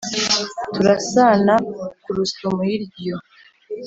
turasana ku rusumo hirya iyo